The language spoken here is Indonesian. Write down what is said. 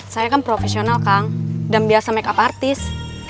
saya kan profesional kang dan biasa makeup artis